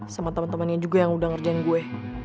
sama temen temennya juga yang udah ngerjain gue